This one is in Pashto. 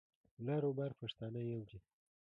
لر او بر پښتانه يو دي.